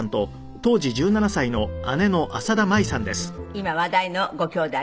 今話題のごきょうだいです。